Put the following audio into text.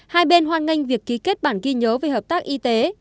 hai bên hoan nghênh việc ký kết bản ghi nhớ về hợp tác y tế